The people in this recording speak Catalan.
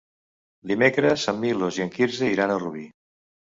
Dimecres en Milos i en Quirze iran a Rubí.